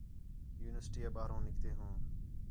یونیورسٹی آ ٻاہروں نِکتے ہوں